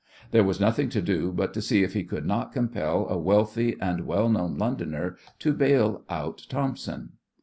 There was nothing to do but to see if he could not compel a wealthy and well known Londoner to bail out Thompson.